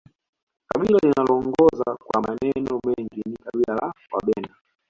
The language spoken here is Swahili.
kabila linaloongoza kwa maneno mengi ni kabila la wabena